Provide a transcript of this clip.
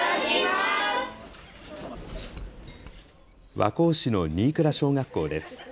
和光市の新倉小学校です。